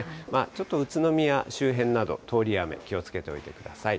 ちょっと宇都宮周辺など、通り雨、気をつけておいてください。